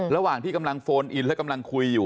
ระหว่างที่กำลังโฟนอินและกำลังคุยอยู่